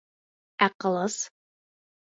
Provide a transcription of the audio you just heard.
— Ә ҡылыс?